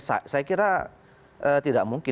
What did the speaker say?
saya kira tidak mungkin